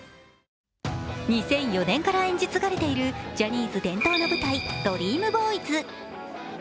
２００４年から演じ継がれているジャニーズ伝統の舞台「ＤＲＥＡＭＢＯＹＳ」。